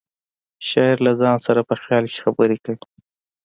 شاعر له ځان سره په خیال کې خبرې کوي